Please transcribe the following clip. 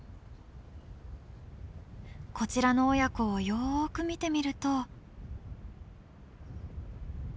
こちらの親子をよく見てみると。